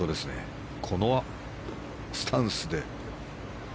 このスタンスで。